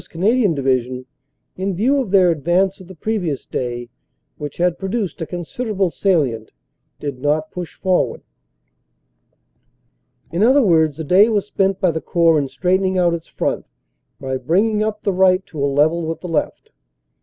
Canadian Division, in view of their advance of the previous day which had produced a consider able salient, did not push forward." In other words, the day was spent by the Corps in straight ening out its front by bringing up the right to a level with the left.